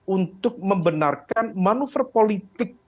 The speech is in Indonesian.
untuk membenarkan manuver politik